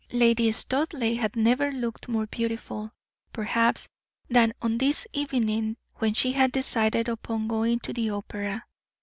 Lady Studleigh had never looked more beautiful, perhaps, than on this evening when she had decided upon going to the opera.